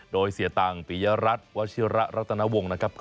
โดยเสียตังค์ปียรัฐวชิระรัตนวงศ์นะครับ